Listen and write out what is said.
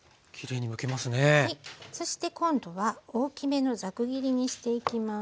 そして今度は大きめのザク切りにしていきます。